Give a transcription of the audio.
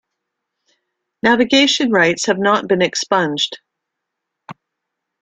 Navigation rights have not been expunged.